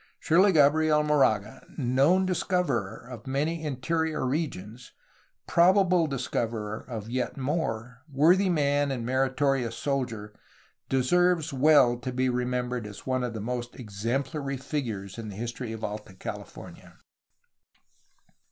^' Surely Gabriel Moraga, known discoverer of many interior regions, probable discoverer of yet more, worthy man, and meritorious soldier, deserves well to be remembered as one of the most exemplary figures in the history of Alta CaHfornia.